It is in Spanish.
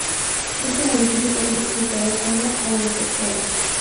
Este municipio está clasificado como agropecuario.